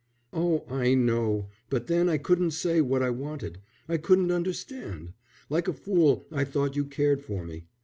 "Oh, I know. But then I couldn't say what I wanted. I couldn't understand. Like a fool, I thought you cared for me.